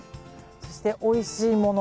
そしておいしいもの